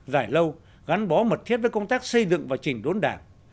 dài lâu gắn bó mật thiết với công tác xây dựng và chỉnh đốn đảng